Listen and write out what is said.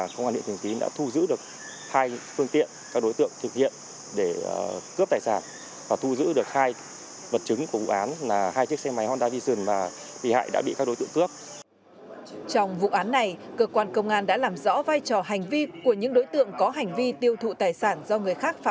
khi thiếu tiền tiêu xài các đối tượng đều có tuổi đời còn trẻ nhưng thiếu sự quan tâm quản lý giáo dục của gia đình